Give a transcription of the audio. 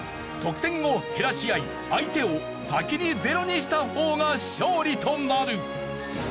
得点を減らし合い相手を先にゼロにした方が勝利となる！